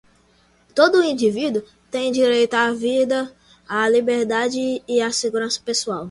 Todo indivíduo tem direito à vida, à liberdade e à segurança pessoal.